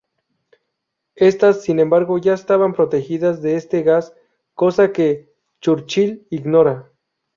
Estas, sin embargo, ya estaban protegidas de este gas, cosa que Churchill ignoraba.